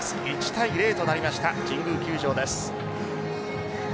１対０となりました神宮球場です。